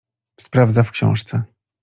Sprawdza w książce.